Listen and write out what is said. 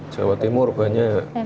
jawa timur banyak